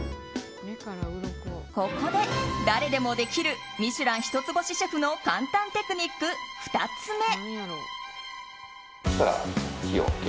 ここで誰でもできる「ミシュラン」一つ星シェフの簡単テクニック２つ目。